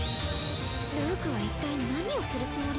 ルークはいったい何をするつもり？